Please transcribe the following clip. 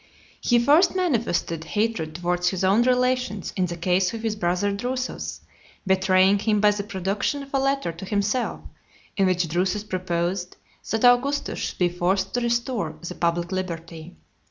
L. He first manifested hatred towards his own relations in the case of his brother Drusus, betraying him by the production of a letter to himself, in which Drusus proposed that Augustus should be forced to restore the public liberty.